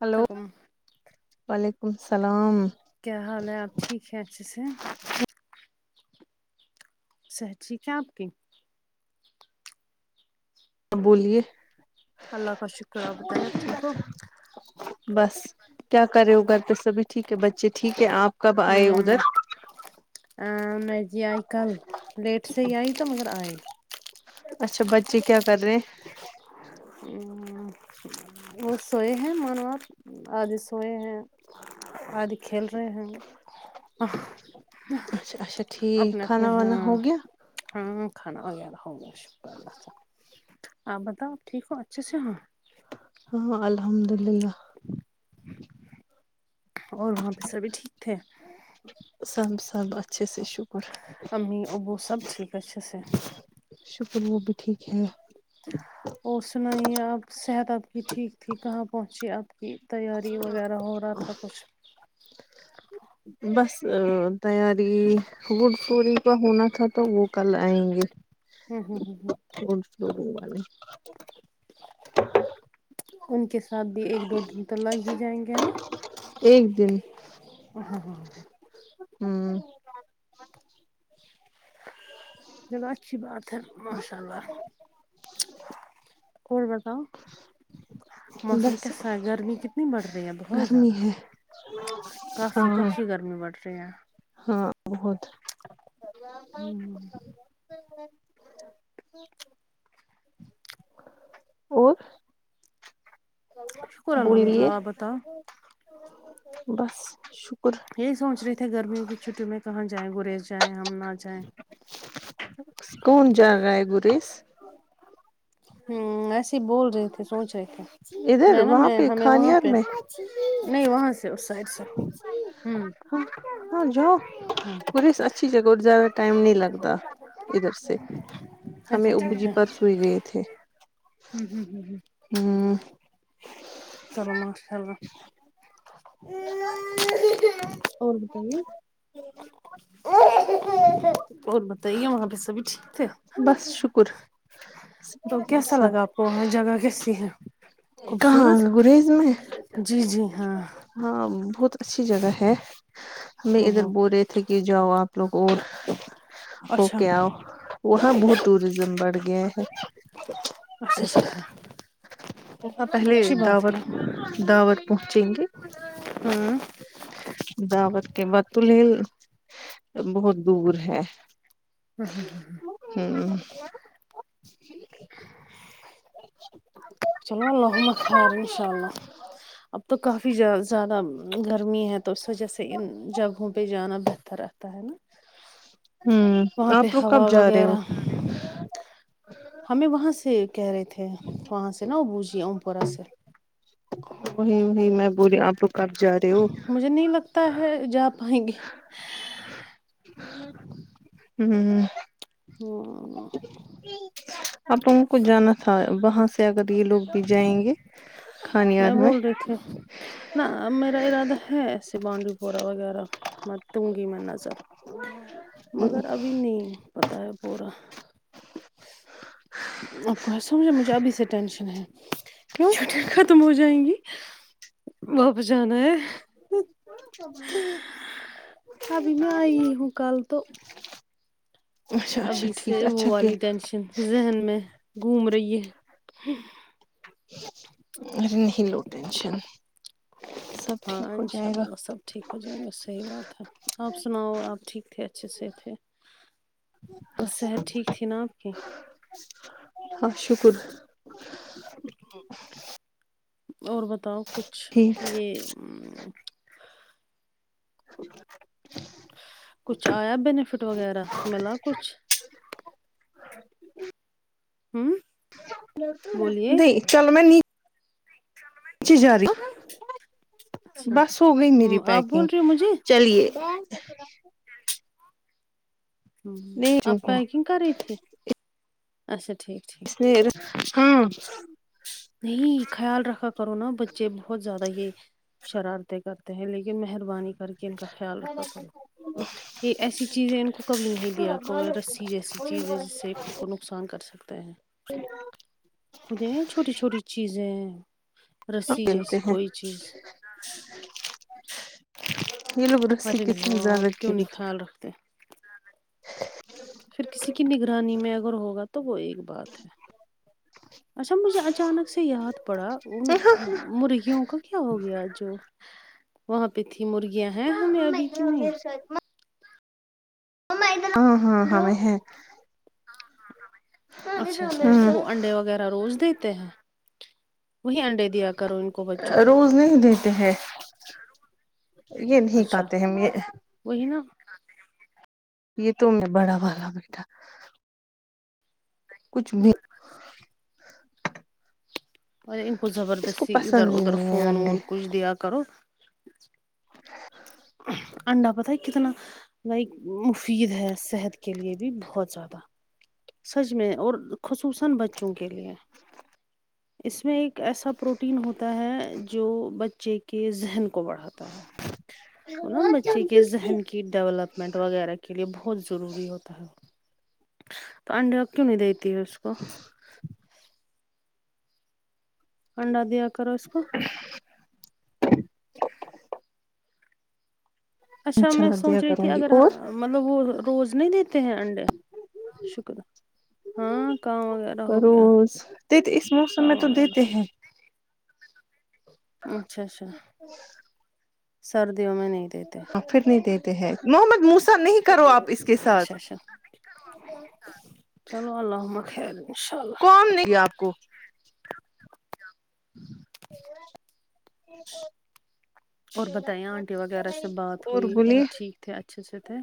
hello سلام وعلیکم السلام کیا حال ہے آپ ٹھیک ہےچ سے سہچییک ہے آپ کی آ بولیے اللہ کا شکر آ بتائی آب ٹھیک ہو بس کیا کر رہے ا گھر پ سب ٹھیک ہے بچے ٹھیک ہے آپ کب آئے ادھر ا میں جی آئی کل لیٹ سے ہی آئی تو مگر آئی اچھا بچے کیا کر رہے وہ سوئے ہیں منوپ آج سوئے ہیں آد کل رہے ہ اچھا اچھا ٹھیک اپنے اپنے کھانا وانا ہاں ہو گیا ہاں کھانا وغیرہ ہو گا شکر اللہ آپ بتاؤ ٹھیک اچھا ا سےا ہاں ہاں الحمد للہ اور وہاں پہ سبھی ٹھیک تھے سب سب اچھا سےی امی ابو سب ٹھ اچ س شکر وہ بھی ٹھیک ہے اور سنائیے آپ صحت آپ کی ٹھیک تھی کہاں پہنچی اب کی تیاری وغیرہ ہو رہا تھا کچھ بس تیاری وڈ فوری کا ہونا تھا تو وہ کل آئیں گے ہوں ہوں ہ ہ فوگے والے ان کے ساتھ بھی ایک دو دن تو لگ ہی جائیں گے نا ایک دن ہ ہاں ہاں ہاں ہاں ہوں چل اچھی بات ہے ماشاء اللہ اور بتاؤ موسم بس کیسا ہے گرمی کتنی بڑھ رہی رہی ہیں بہت گرمی زیاد ہے کافی کافی گرمی بڑھ رہی ہے ہاں بہت ہوں [unintelligible] اور شکر الحمد بولیے اللہ بتؤ بس شکر یہی سوچ رہی تھے گرمیوں کی چھٹی میں کہاں جائیں گریز جائیں ہم نہ جائیں کون جا رہا ہے گریس ہوں ایسے ہی بول رہے تھے سوچ رہے تھے ادھر میں نا وہاں میں پہ ہمیں وہاں کھانیار پہ میں نہیں وہاں سے اس سائڈ سے ہ ہاں ہاں جؤ پوری اچھی جگہ زیاد ٹائم نہیں لگتا ادھر سے ہمیں اچھا ابجی پر سوئی گئے تھے ہ ہ ہ ہمم ہ چلو ماشاء اللہ اور بتائیے اور بتائیے وہاں پہ سبھی ٹھیک تھے بس شکر تو س کیسا لگا وہاں جگہ کیسی ہے کہاں خوبصورت گریز میں جی جی ہاں ہاں بہت اچھی جگہ ہے ہمیں ہ ادھر ہ ب رہے تھ تھے کہ جاؤ آپ لوگ اور ہو اچھا کے آؤ وہاں بہت ٹوریزم بڑھ گیا ہے اچھا اچھا اچھا ا پہلے اچھی د بات ہے نا داور پہنچیں گے ہاں جا بت کے بتلل بہت دور ہے [inaudible] ہمم [inaudible] [inaudible] چلو المہ خیر ان شاء اللہ اب تو کافی زیادہ گرمی ہے تو اس وجہ سے ان جگہوں پہ جانا بہتر رہتا ہے نا ہمم وہاں پہ آپ کب ہوا جا رہے ہو وغیرہ ہمیں وہاں سے کہہ رہے تھے وہاں سے نا ابوجے اوم پورہ سے وہی وہی میں بولی آپو کب جا رہے ہو مجے نہیں لگتا ہے جا پائیں گے ہمم [inaudible] اب ان کو جانا تھا وہاں سے اگر یہ لوگ بھی جائیں گے کھانیار میں [inaudible] نہ میرا ارادہ ہے ایسے بانڈی پورہ وغیرہ مںت دوں گی میں نظر مگر ابھی نہیں پتا ہے پورا آپ کو ایا سمجھ میں مجھے ابھی سے ٹینشن ہے کہ کیوں چھٹیاں ختم ہو جائیں گی واپس جانا ہے ابھی میں آئی ہوں کل تو [inaudible] اچھا اچھا ابھی سے ٹھیک وہ اچھا کیا والی ٹینشن ذہن میں گھوم رہی ہے ارے نہیں لو ٹینشن سب ٹھیک ہاں ہو جائے انشاء گا اللہ سب ٹھیک ہو جائے گا صحیح بات ہے آپ سناؤ اور آپ ٹھیک تھے اچھے سے تھے بس صحت ٹھیک تھی نا آپ کی ہاں شکر اور بتاؤ کچھ ٹھیک یہ [inaudible] کچھ آیا بینفٹ وغیرہ ملا کچھ [inaudible] ہمم نہیں چلو میں نیچ جا رہی ہوں اچھا بس ہو گئی میری ہوں، آپ پیکنگ بول رہے ہو مجھے چلیے نہیں آپ چونکو پیکنگ کر رہی تھی اچھا ٹھیک ٹھیک نہیںیر ہاں نہیں خیال رکھا کرو نا بچے بہت زیادہ یہ شرارتیں کرتے ہیں لیکن مہربانی کر کے ان کا خیال رکھا کرو یہ ایسی چیزیں ان کو کبھی نہیں دیا کو رسی ج ایسی چیز ہے جس سے خود کو نقسان کر سکتا ہیں ہو چھوٹی چھوٹی چیزیں سب رسی کھیلتے جیسی ہیں کوئی چیز یہی لوگ رسیق ارے نہیں ہو زیادہ آپ کی کیوں نہیں ہے [inaudible] پھر کسی کی نگرانی میں اگر ہوگا تو وہ ایک بات ہے اچھا مجھے اچانک سے یاد پڑا ان مرغیوں کا کیا ہو گیا جو وہاں پہ تھی مرغیاں ہیں ہمیں ابھی کی نہیں ہیں، ہاں ہاں ہاں ہے اچھا اچھا وہ ہوں انڈے وغیرہ روز دیتے ہیں وہی انڈے دیا کرو ان کو بچوں کو روز نہیں دیتے ہیں یہ نہیں اچھا کہتے ہم یہ وہی نا یہ تو بڑا والا بیٹا کچھ بھی اور ان کو اس کو زبردستی ادھر پسند ہی ادھر نہیں ہے فون انڈے وون کچھ دیا کرو [inaudible] انڈا پتا کتنا لائک مفید ہے صحت کے لیے بھی بہت زیادہ سج میں اور خصوصن بچوں کے لیے اس میں ایک ایک ایسا پروٹین ہوتا ہے جو بچے کے ذہن کو بڑھاتا ہے نا بچے کے ذہن کی ڈیولپمنٹ وغیرہ کے لیے بہت ضروری ہوتا ہے تو انڈے کیوں نہیں دیتی ہے اس کو انڈا دیا کرو اس کو [inaudible] اچھا انشاء میں اللہ دیا سوچ رہی تھی کروں گی اگر اور مطلب وہ روز نہیں دیتے ہیں انڈے شکرہ ہاں کام وغیرہ ہو گیا روز دیتے اس موسم کام میں تو وغیر دیتے ہو گیا ہیں اچھا اچھا سردیوں میں نہیں دیتے ہاں پھر نہیں دیتے ہیں محمد موسا نہیں کرو آپ اس کے ساتھ اچھا اچھا چلو اللہم خیر انشاء اللہ کون آپ کو [inaudible] اور بتائیں آنٹی وغیرہ سے بات اور ہوئی وہ بولیے ٹھیک تھے اچھے سے تھے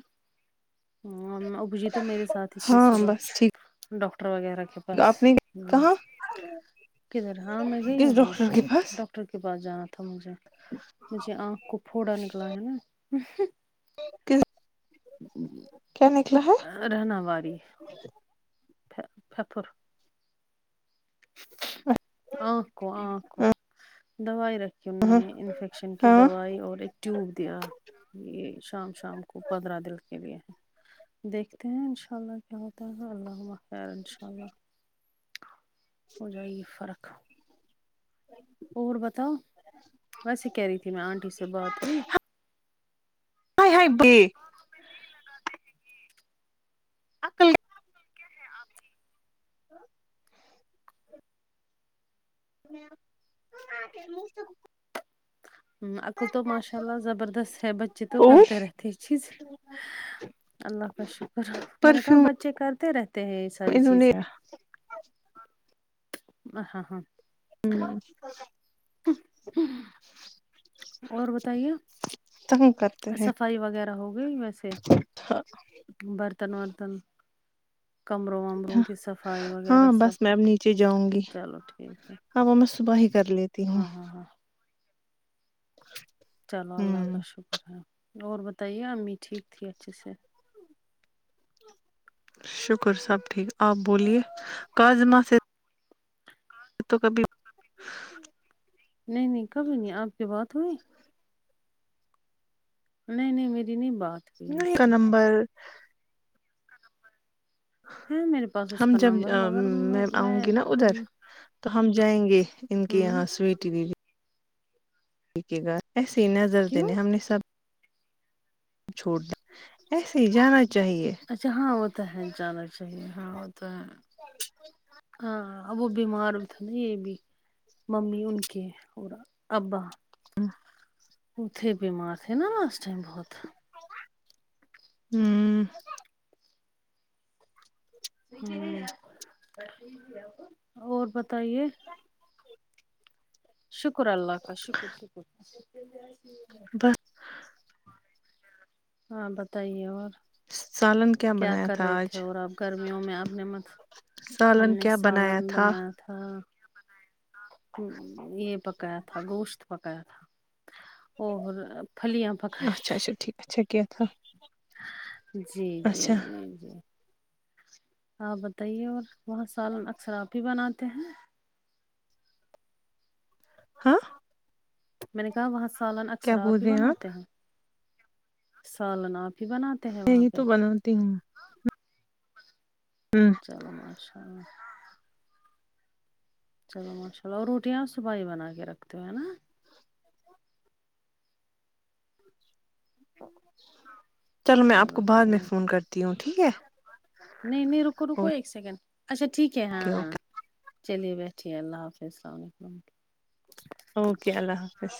اب جی تو میرے ساتھ ہی تھے ہاں صبح بس ٹھیک ڈاکٹر وغیرہ آپ نے کہاں کے رہراہ مے کس ہاں ڈاکٹر کے ڈٹر پاس ڈاکٹر کے پاس جانا تھا مجھے مجھے آنکھ کو پھوڑا نکلا ہے نا کس جی کیا نکلا ہے رہنا واری پھپھر انکھ کو دوائی رکھی ان نے انفیکشن کی ہاں دوائی اور ایک ٹیوب دیا یہ شام شام کو پندرہ دن کے لیے ہے دیکھتے ہیں انشاء اللہ کیا ہوتا ہے اللہ خیر انشاء اللہ ہو جائے گی فرق اور بتاؤ ویسے کہہ رہی تھی میں آنٹی سے بات ہوئی ہائے ہائے عقل [inaudible] عقل تو ماشاء اللہ زبردست ہے بچے تو اور کرتے رہتے یہ چیز اللہ کا شکر میں نے کہا پرفیوم بچے کرتے رہتے ہیں یہ ساری انہوں نے چیزیں ہاں ہاں ہوں [inaudible] اور بتائیے [inaudible] صفائی وغیرہ ہو گئی ویسے برتن ورتن کمروں ومروں کی صفائی وغیرہ ہاں سب بس میں اب نیچے جاؤں گی چلو ٹھیک ہے ہاں وہ میں صبح ہی کر لیتی ہوں ہاں ہاں ہاں چلو اللہ ہوں کا شکر ہے اور بتائیے امی ٹھیک تھی اچھے سے شکر سب ٹھیک آپ بولیے کاجمہ سے تو کبھی نہیں نہیں کبھی نہیں آپ کی بات ہوئی نہیں نہیں میری نہیں بات ہوئی ان نہیں کا سے نمبر ہے میرے پاس اس ہم کا جب نمبر مگر میں آؤں گی نا ادھر تو ہم جائیں گے ان کے یہاں ہوں سویٹی دیدی ایسے ہی نظر کیوں دینے ہم نے سب چھوڑ ایسے ہی جانا چاہیے اچھا ہاں وہ تو ہے جانا چاہیے ہاں وہ تو ہے ہاں وہ بیمار بھی تھے نا یہ بھی ممی ان کے اور ابا ہاں اتے بیمار تھے نا لاسٹ ٹائم بہت ہوں ہاں اور بتائیے شکر اللہ کاا شکر شکر ہاں بتائیے اور سالن کیا بنایا کر تھا رہے آج تھے اور آپ گرمیوں میں اپنے مت ہم نے سالن بنایا تھا یہ پکایا تھا گوشت پکا تھا اور پھلیاں پکائی اچا اچا تھی ٹھیک اچھا کیا تھا جی جی اچھا جی جی آپ بتائیے اور وہاں سالن اکثر آپ ہی بناتے ہیں ہاں میں نے کہا وہاں سالن کیا اکثر بول آپ ہی رہے بناتے ہیں سالن آپ ہی بناتے ہیں میں وہاں ہی تو پہ بناتی ہوں ہوں چلو اچھا چلو ماشاء اللہ اور روٹیاں صبح ہی بنا کے رکھتے ہو ہے نا چلو میں آپ کو بعد میں فون کرتی ہوں ٹھیک ہے نہیں نہیں رکو رکو ایک سیکنڈ اچھا ٹھیک ہے ہاں اوکے ہاں اوکے چلیے بیٹھیے اللہ حافظسلام علیکم اوکے اللہ حافظ